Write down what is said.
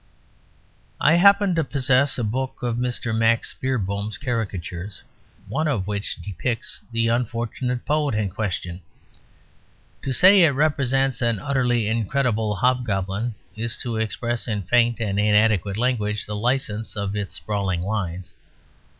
I happen to possess a book of Mr. Max Beerbohm's caricatures, one of which depicts the unfortunate poet in question. To say it represents an utterly incredible hobgoblin is to express in faint and inadequate language the license of its sprawling lines.